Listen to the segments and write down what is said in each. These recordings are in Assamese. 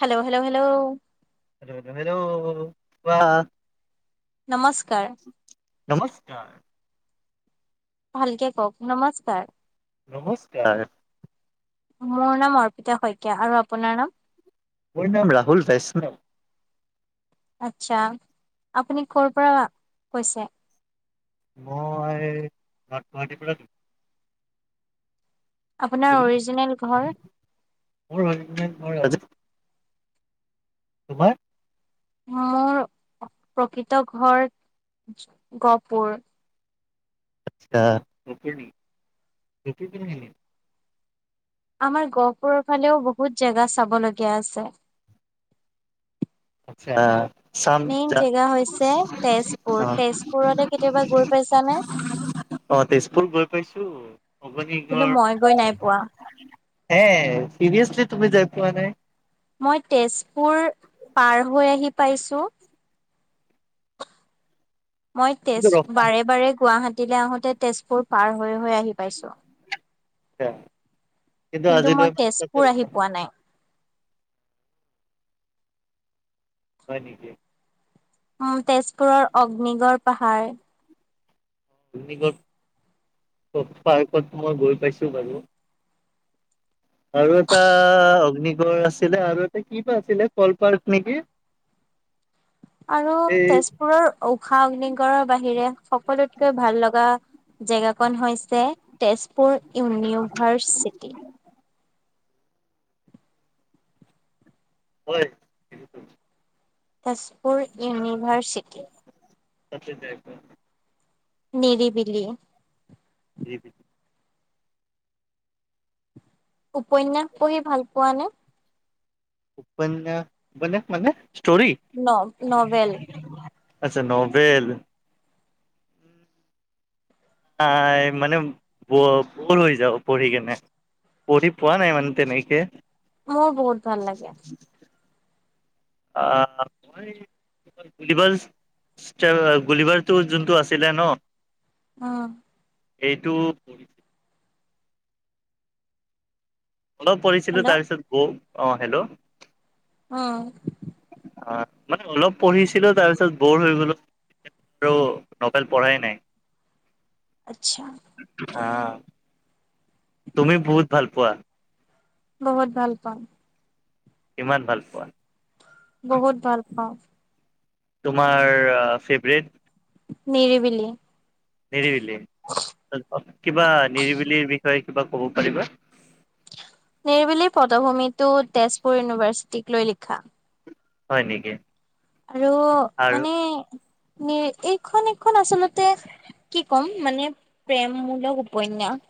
Hello hello hello hello hello hello কোৱা নমস্কাৰ নমস্কাৰ ভালকে কওক নমস্কাৰ নমস্কাৰ মোৰ নাম অৰ্পিতা শইকীয়া আৰু আপোনাৰ নাম? মোৰ নাম ৰাহুল বৈষ্ণৱ। আচ্ছা আপুনি কৰ'ৰ পৰা কৈছে? মইা গুৱাহাটীৰ পৰা কৈছোঁ আপোনাৰ অৰিজিনেল ঘৰ মোৰ হৰিজনেল মই ৰাজু। তোমাৰ মোৰ প্ৰকৃত ঘৰ গহপুৰ। আচ্ছা আমাৰ গহপুৰৰ ফালেও বহুত জেগা চাব লগীয়া আছে। আচ্ছা। চাম মেইন যা জেগা হৈছে তেজপুৰ, অ তেজপুৰতে কেতিয়াবা গৈ পাইছানে? শ [unintelligible] কিন্তু মই গৈ নাই পোৱা। হে চিৰিয়াছলি তুমি যাই পোৱা নাই? মই তেজপুৰ পাৰ হৈ আহি পাইছো। মই কিন্তু তেজ ৰখা নাই বাৰে-বাৰে গুৱাহাটী দিলে আহোতে তেজপুৰ পাৰ হৈ-হৈ আহি পাইছো। এ [unintelligible] কিন্তু মই তেজপুৰ আহি পোৱা নাই। হয় নিকি? উম তেজপুৰৰ অগ্নিগড় পাহাৰ। [unintelligible] পাৰ্কত মই গৈ পাইছো বাৰু আৰু এটা অগ্নি বৰ আছিলে আৰু এয়া কি বা আছিলে কল পাৰ্ক নেকি? আৰু এই তেজপুৰৰ ঊষা অগ্নিগড়ৰ বাহিৰে সকলোতকে ভাল লগা জেগা কণ হৈছে তেজপুৰ ইউনিভাৰ্চিটি। হয়। তেজপুৰ ইউনিভাৰ্চিটি। তচতেিব [unintelligible] নিৰিবিলি। [unintelligible] উপন্যাস পঢ়ি ভাল পোৱা নে? উপন্যাস-উপন্যাস মানে? Story novel. আচ্ছা নভেল। আহ মানে ব-ব'ৰ হৈ যাও পঢ়ি কেনে, পঢ়ি পোৱা নাই মানে তেনেকে। মোৰ বহুত ভাল লাগে। [unintelligible] গুলিবাৰটো যোনটো আছিলে ন? অহ। এইটো অলপ পঢ়িছিলো হেল্ল' তাৰপিছত বৌ অহ হেল্ল'? অহ। অহ মানে অলপ পঢ়িছিলো তাৰপিছত বৰ হৈ গলো তাৰ পাছত আৰু নবেল পঢ়াই নাই। আচ্ছা। আহ, তুমি বহুত ভাল পোৱা। বহুত ভাল পাওঁ। কিমান ভাল পোৱা? বহুত ভাল পাওঁ। তোমাৰ ফেভৰেট নিৰিবিলি। নিৰিবিলি তাৰে কিবা ক'ব পাৰিবা? নিৰিবিলি পদভূমিটো তেজপুৰ ইউনিভাৰ্চিটিক লৈ লিখা। হয় নেকি? আৰু আৰু মানে নি এইখন এইখন আচলতে, কি ক'ম মানে প্ৰেমমূলক উপন্যাস।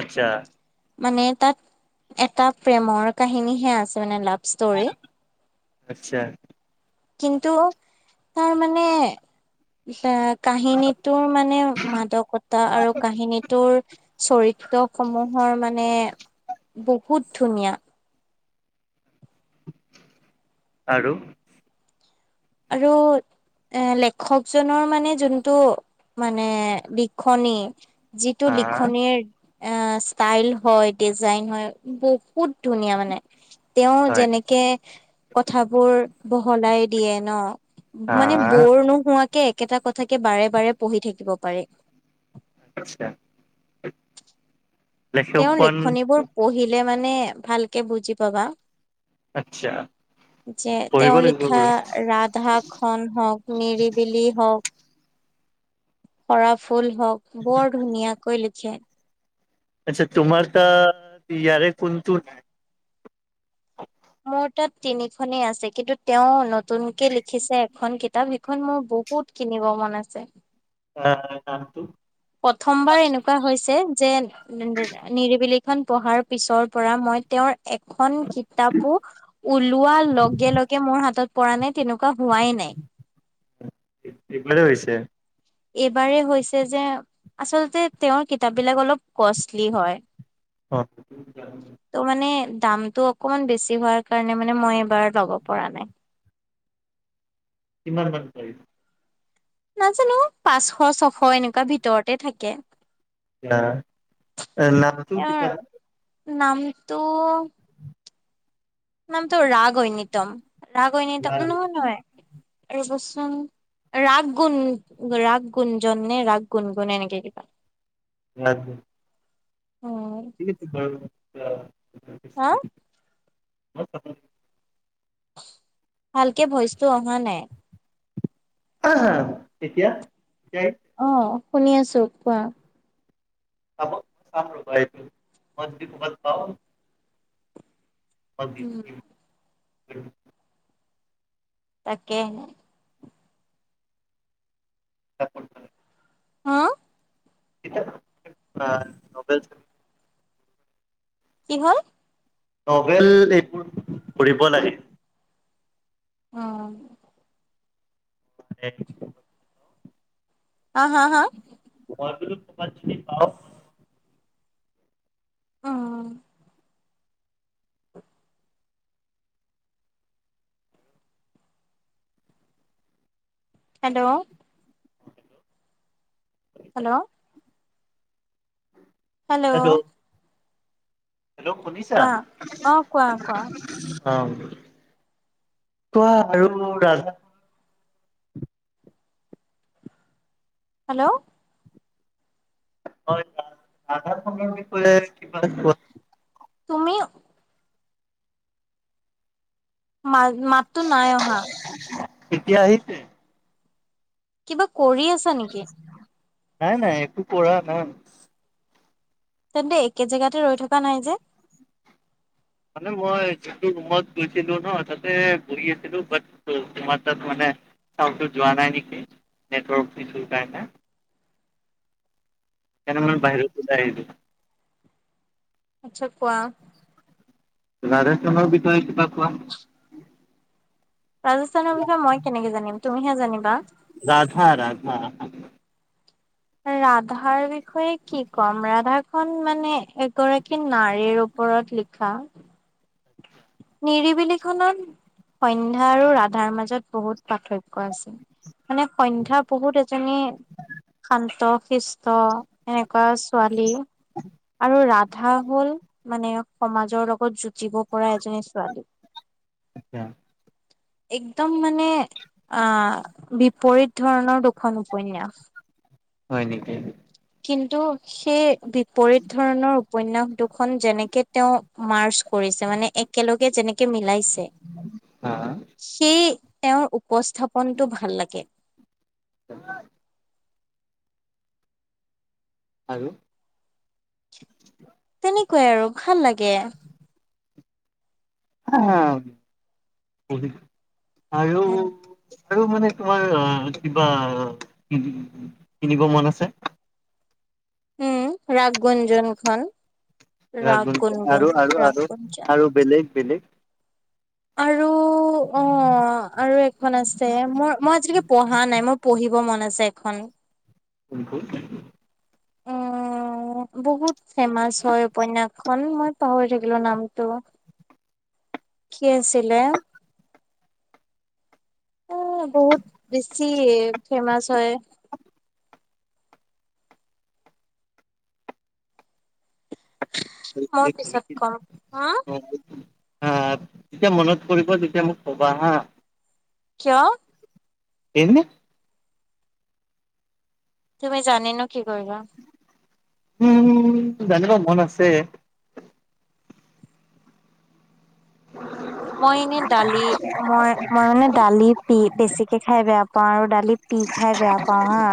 আচ্ছা। মানে তাত, এটা প্ৰেমৰ কাহিনীহে আছে মানে লাভ ষ্টৰি। আচ্ছা। কিন্তু তাৰ মানে এ কাহিনীটোৰ মানে মাদকতা আৰু কাহিনীটোৰ চৰিত্ৰ সমূহৰ মানে বহুত ধুনীয়া আৰু আৰু, এ লেখকজনৰ মানে যোনটো মানে লিখনি যিটো হা লিখনিৰ এ ষ্টাইল হয়, ডিজাইন হয় বহুত ধুনীয়া মানে। তেওঁ হয় যেনেকে কথাবোৰ বহলাই দিয়ে। ন হা মানে বৰ নোহোৱা কে একেটা কথাকে বাৰে বাৰে পঢ়ি থাকিব পাৰে। আচ্ছা তেওঁৰ লেখকখন লেখনিবোৰ পঢ়িলে মানে ভালকে বুজি পাবা। আচ্ছা যে পঢ়িব তেওঁ লাগিব লিখা বাৰু ৰাধাখন হওক, নিৰিবিলি হওক বৰফ ফুল হওক বৰ ধুনীয়াকৈ লি ছে। আচ্ছা, তোমাৰ তাত ইয়াৰে কোনটো নাই? মোৰ তাত তিনিখনেই আছে কিন্তু তেওঁ নতুনকে লিখিছে এখন কিতাপ, সিখন মোৰ বহুত কিনিব মন আছে। অ অ নামটো? প্ৰথমবাৰ এনেকুৱা হৈছে যে নি নি নিৰিবিলি খন পঢ়াৰ পিছৰ পৰা মই তেওঁৰ এখন কিতাপো, ওলোৱাৰ লগে লগে মোৰ হাতত কৰা নে কেনোকা? দিপ্লেজাৰ আহিছে। এইবাৰেই হৈছে যে আচলতে তেওঁৰ কিতাপ বিলাক অলপ কষ্টলি হয়। অঁহ। ত' মানে দামটো অকমান বেছি হোৱাৰ কাৰণে মানে মই এইবাৰ ল'ব পৰা নাই। কিমান মান পৰিল। নাজানো, পাঁচশ ছশ এনেকুৱা ভিতৰতে থাকে। না, এ--নামটো তেওঁৰ তেতিয়া নামটো? নামটো ৰাঘ ঐনিতম। ৰাঘৈ ঐনিতম, নৌ কিতাপ পঢ়ে। ৰ'ব চোন, ৰাগ গুণ ৰাগ গুঞ্জন নে ৰাগ গুণগুণ এনেকে কিবা। নাগ উম ইজ ইট্‌ বাৰ্গ অঁ হা [unintelligible] [unintelligible] ভালকে ভইচ্‌টো অহা নাই। হঁহ্‌- হাঁ- তেতীয়া--দেইত অঁ, শুনি আছো। কোৱা? চাক ' চাম ৰ'বা এক মিনিত, মই যদি কবাত পাও অ গিন্‌ উম গিন্‌ উম তাকে তাই কোন হ'য়? হঁ কিতাব, অঁ নভেল। কি হ'ল? নভেল--এইবোৰ, পঢ়িব লাগে। অঁ এক্‌ আঁ হাঁ-হাঁ পাচিন, পাচিন পাও অঁ-হ হেল্লৌ হেল্ল' উ [unintelligible] [unintelligible] হেল্লৌ হেল্লৌ', শুনিছা? অ কোৱা কোৱা অঁ, কোৱা আৰু মোৰ--ৰাজ হেল্ল' হয় ৰাধা সংক্ৰান্তি বুলি কিবা কোৱা তুমি [unintelligible] মাতটো নাই অহা। কেতিয়া আহিছে? কিবা কৰি আছা নেকি? নাই নাই একো কৰা নাই। তেন্তে একে জেগাতে ৰৈ থকা নাই যে? মানে মই যিটো ৰুমত গৈছিলো ন তাতে বহি আছিলো বাট তোমাৰ তাত মানে চাওন টো যোৱা নাই নেকি নেটৱৰ্ক ইচো কাৰণে সেই কাৰনে উম মানে বাহিৰত ওলাই আহিলোঁ। আচ্ছা কোৱা ৰাজস্থানৰ বিষয়ে কিবা কোৱা ৰাজস্থানৰ বিষয়ে মই কেনেকে জানিম তুমিহে জানিবা। ৰাধা ৰাধা ৰাধাৰ বিষ বিষয়ে কি ক'ম ৰাধাক খন মানে এগৰাকী নাৰীৰ ওপৰত লিখা নিৰিবিলি খনত সন্ধ্যা আৰু ৰাধাৰ মাজত বহুত পাৰ্থক্য ক আছে মানে সন্ধ্যা বহুত এজনী শান্ত শিষ্ট এনেকুৱা ছোৱালী আৰু ৰাধা হল মানে সমাজৰ লগত যুঁজিব পৰা এজনী ছোৱালী আচছা। একদম মানে অহ বিপৰীত ধৰণৰ দুখন উপন্যাস। হয় নেকি? কিন্তু সেই পৰিত ধৰণৰ উপন্যাস দুখন যেনেকে তেওঁ মাৰ্চ কৰিছে মানে একেলগে যেনেকে মিলাইছে হা সেই তেওঁৰ উপস্থাপনতটো ভাল লাগে। আৰু তেনেকুৱাই আৰু ভাল লাগে। [unintelligible] আৰু উম। আৰু মানে তোমাৰ কিবা কিনিব মন আছে। উম ৰাগ গুঞ্জনখন ৰাগ গুঞ্জন আৰু আৰু আৰু গুঞ্জন। আৰু বেলেগ বেলেগ আৰু অ আৰু এখন আছে মোৰ মই আজিলৈকে পঢ়া নাই মোৰ পঢ়িব মন আছে এখন কোনখন? অ বহুত ফেমাচ হয় উপন্যাসখন মই পাহৰি থাকিলো নামটো কি আছিলে? বহুত বেছি ফেমাচ হয়। মই পিছত কোনবোৰ? কম, হা? হা, তেতিয়া মনত পৰিব, তেতিয়া মোক ক'বা হা। কিয়? এনে। ‌ তুমি জানি নো কি কৰিবা? উম! জানিব মন আছে। মই এনে দালি, মই, মই মানে দালি পি, ‌ বেছিকে খাই বেয়া পাওঁ। পাওঁ আৰু দাল লি পি খাই বেয়া পাওঁ হা।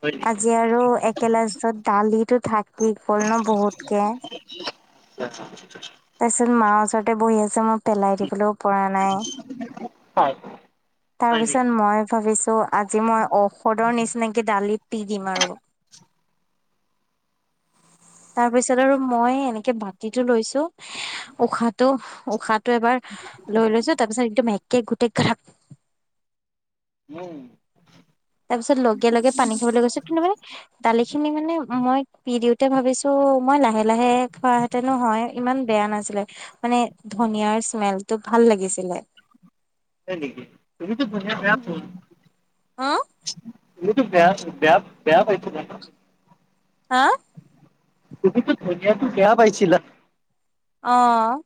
হয় নেকি আজি আৰু একগিলাচত দালি থাকি গ'ল ন, বহুতকে। আচ্ছা! তাৰপিছত মাৰ ওচৰতে বহি আছোঁ, মই পেলাই দিবলৈও পৰা নাই। হয়। তাৰ হয় পিছত নেকি মই ভাবিছোঁ ত' আজি মই ঔষধৰ নিচিনাকি দালি পি দিম আৰু। তাৰ পিছত আৰু মই এনেকে বাতিটো লৈছোঁ। উশাহটো, উশাহটো, এবাৰ লৈ লৈছোঁ, তাৰপিছত একদম একে ঘোট দে খ্ৰাপ উম! তাৰ পিছত লগে লগে পানী খাবলৈ গৈছো। কিন্তু মানে দালি খিনি মানে মই পি দিওঁ। তে ভাবিছোঁ মই লাহে লাহে খোৱা হেঁতেনো হয়, ইমান বেয়া নাছিলে, মানে ধনিয়াৰ স্মেলটো ভাল লাগিছিলে। হয় নেকি? তুমিটো ধনিয়া বেয়া পোৱা। অ এইটো বেয়া, বয়া বেয়া পাইছিলা ন? হা? তুমিটো ধনিয়াটো বেয়া পাইছিলা! অ'!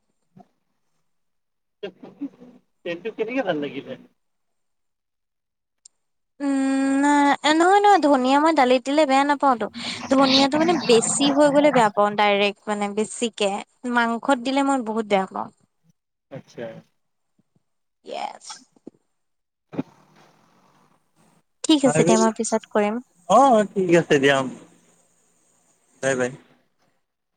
তেন্তে কেনেকে ভাল লাগিলে? উম! নহয়, নহয়, ধনিয়া মই দালিত দিলে বেয়া নাপাওঁটো, ধনিয়াতটো মানে বেছি হৈ গ'লে বেয়া পাওঁ ডাইৰেক্ট মানে বেছিকৈ। মাংসত দিলে মই বহুত বেয়া পাওঁ। আচ্ছা! ইয়েছ! ঠিক আছে আৰু দিয়া মই পিছত কৰিম অ' ঠিক আছে দিয়া। বাই! বাই!